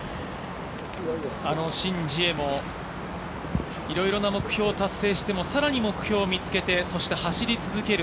シン・ジエもいろいろな目標を達成しても、さらに目標を見つけて、さらに走り続ける。